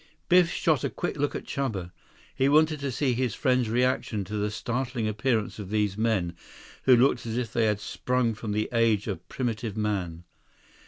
Biff shot a quick look at Chuba. He wanted to see his friend's reaction to the startling appearance of these men who looked as if they had sprung from the age of primitive man.